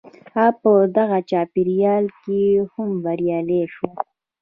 هغه په دغه چاپېريال کې هم بريالی شو.